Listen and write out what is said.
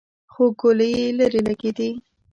خو ګولۍ يې ليرې لګېدې.